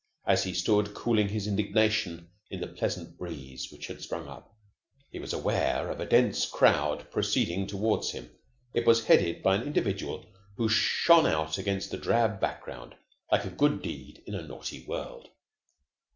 As he stood cooling his indignation in the pleasant breeze which had sprung up, he was aware of a dense crowd proceeding toward him. It was headed by an individual who shone out against the drab background like a good deed in a naughty world.